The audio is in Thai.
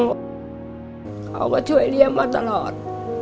เขาก็ช่วยเลี้ยงมาตลอด